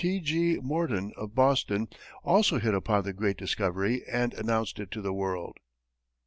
T. G. Morton, of Boston, also hit upon the great discovery and announced it to the world.